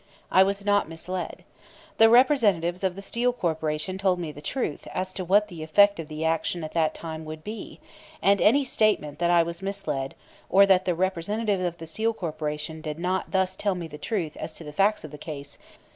I was not misled. The representatives of the Steel Corporation told me the truth as to what the effect of the action at that time would be, and any statement that I was misled or that the representatives of the Steel Corporation did not thus tell me the truth as to the facts of the case is itself not in accordance with the truth.